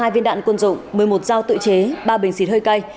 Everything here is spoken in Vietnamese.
một trăm bảy mươi hai viên đạn quân dụng một mươi một dao tự chế ba bình xịt hơi cay